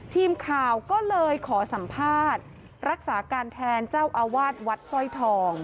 ทีมข่าวก็เลยขอสัมภาษณ์รักษาการแทนเจ้าอาวาสวัดสร้อยทอง